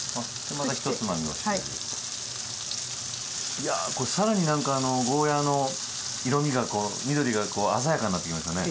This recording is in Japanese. いやあこれ更に何かゴーヤーの色みがこう緑がこう鮮やかになってきましたね。